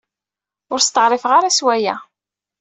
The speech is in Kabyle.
Ur steɛṛifeɣ ara s waya.